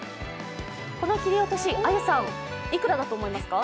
この切り落とし、あゆさん、いくらだと思いますか？